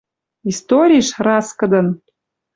историш раскыдын, —